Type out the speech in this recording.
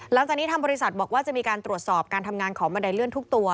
หลังจากนี้ทางบริษัทบอกว่าจะมีการตรวจสอบการทำงานของบันไดเลื่อนทุกตัว